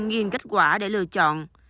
nghiên kết quả để lựa chọn